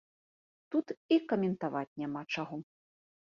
Тут і каментаваць няма чаго.